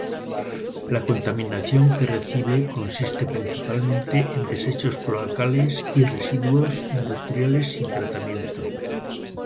La contaminación que recibe consiste principalmente en desechos cloacales y residuos industriales sin tratamiento.